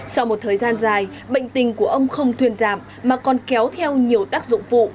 sau một thời gian dài bệnh tình của ông không thuyền giảm mà còn kéo theo nhiều tác dụng vụ